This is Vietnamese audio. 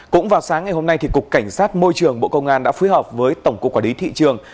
cũng vào sáng ngày hôm nay cục cảnh sát môi trường bộ công an đã phối hợp với tổng cục quản lý thị trường